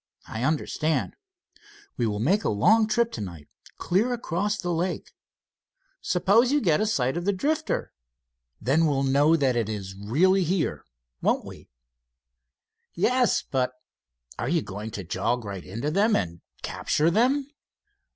"I understand." "We will make a long trip tonight clear across the lake." "Suppose you get a sight of the Drifter?" "Then we'll know that it is really here, won't we?" "Yes, but are you going to jog right into them and capture them?"